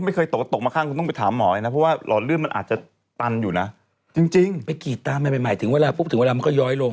ไม่กินตามเป็นอีกใหม่ถึงเวลามันก็ย้อยลง